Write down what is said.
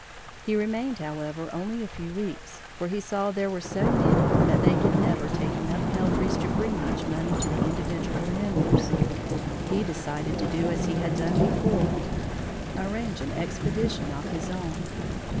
He remained, however, only a few weeks, for he saw there were so many that they could never take enough peltries to bring much money to the individual members. He decided to do as he had done before arrange an expedition of his own.